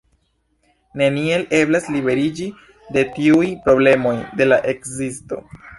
Neniel eblas liberiĝi de tiuj problemoj de la ekzisto.